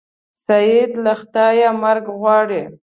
سید له خدایه مرګ غواړي.